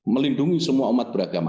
melindungi semua umat beragama